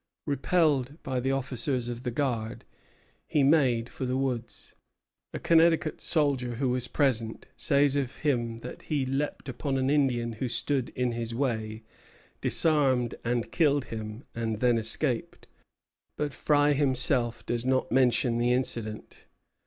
Repelled by the officers of the guard, he made for the woods. A Connecticut soldier who was present says of him that he leaped upon an Indian who stood in his way, disarmed and killed him, and then escaped; but Frye himself does not mention the incident.